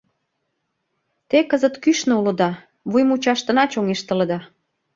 Те кызыт кӱшнӧ улыда, вуймучаштына чоҥештылыда.